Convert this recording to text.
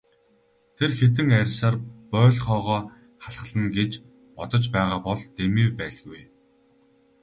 Тэр хэдэн арьсаар боольхойгоо халхална гэж бодож байгаа бол дэмий байлгүй.